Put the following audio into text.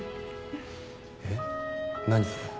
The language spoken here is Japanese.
えっ何？